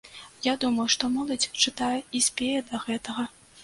Я думаю, што моладзь чытае і спее да гэтага.